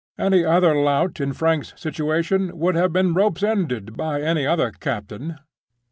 Any other lout in Frank's situation would have been rope's ended by any other captain.